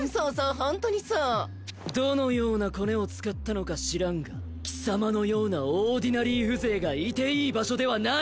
ホントにそうどのようなコネを使ったのか知らんが貴様のようなオーディナリー風情がいていい場所ではない！